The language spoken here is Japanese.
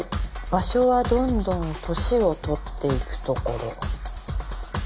「場所はどんどん歳をとっていくところ」